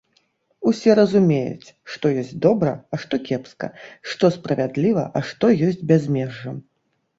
Усе разумеюць, што ёсць добра, а што кепска, што справядліва, а што ёсць бязмежжам.